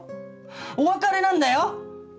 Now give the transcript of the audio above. お別れなんだよ？